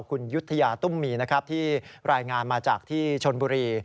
คุณยุธยาตุ้มมีนะครับที่รายงานมาจากที่ชนบุรี